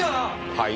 はい？